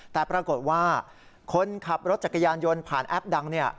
แต่ปรากฏว่าคนขับรถจักรยานยนต์ผ่านแอปดังเนี่ย